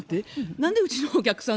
何でうちのお客さん